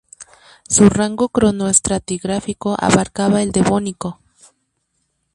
Su rango cronoestratigráfico abarcaba el Devónico.